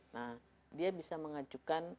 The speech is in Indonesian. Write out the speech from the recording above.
nah dia bisa mengajukan